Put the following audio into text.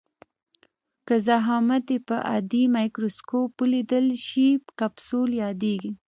که ضخامت یې په عادي مایکروسکوپ ولیدل شي کپسول یادیږي.